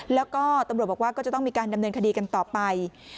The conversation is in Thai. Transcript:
แล้วก็ตำรวจบอกว่าก็จะต้องมีการดำเนินคดีกันต่อไป